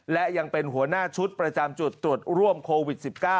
และยังเป็นหัวหน้าชุดประจำจุดตรวจร่วมโควิด๑๙